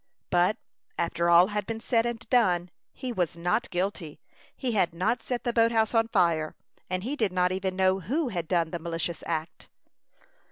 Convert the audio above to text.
But, after all had been said and done, he was not guilty. He had not set the boat house on fire, and he did not even know who had done the malicious act.